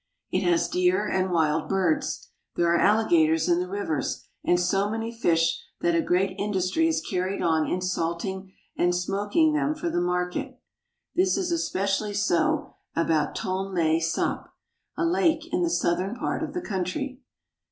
It has deer and wild birds. There are alligators in the rivers, and so many fish that a great industry is carried on in salt ing and smoking them for the market. This is especially so about Tonle Sap (ton' la sap'), a lake in the southern part of the country.